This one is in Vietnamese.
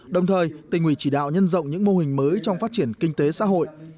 đồng thời tỉnh ủy chỉ đạo nhân rộng những mô hình mới trong phát triển kinh tế xã hội